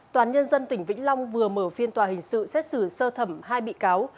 toàn nhân dân tỉnh vĩnh long vừa mở phiên tòa hình sự xét xử sơ thẩm hai bị cáo